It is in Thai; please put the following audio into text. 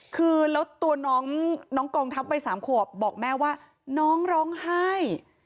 คือแล้วตัวน้องกองทัพวัย๓ขวบบอกแม่ว่าน้องร้องไห้